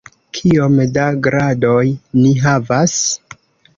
Kiom da gradoj ni havas?